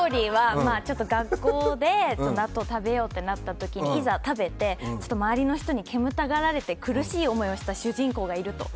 学校で納豆を食べようってなったときにいざ、食べて、周りの人に煙たがられて苦しい思いをした主人公がいると。